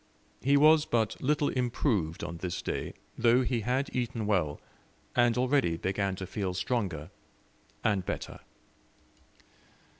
He was but little improved on this day, though he had eaten well, and already began to feel stronger and better.